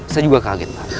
saya juga kaget pa